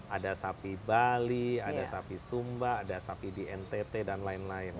ada sapi bali ada sapi sumba ada sapi di ntt dan lain lain